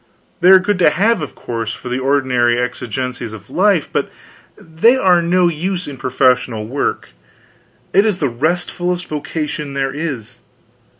They are good to have, of course, for the ordinary exigencies of life, but they are no use in professional work. It is the restfulest vocation there is.